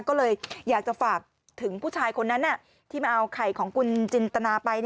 ก็เลยอยากจะฝากถึงผู้ชายคนนั้นที่มาเอาไข่ของคุณจินตนาไป